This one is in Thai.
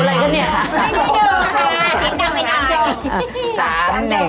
อะไรมั้ยครับ